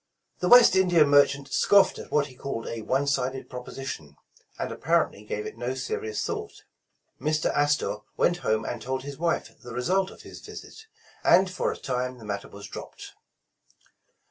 The West India merchant scoffed at what he called a one sided proposition, and apparently gave it no serious thought. Mr. Astor went home and told his wife the result of his visit, and for a time the matter was dropped.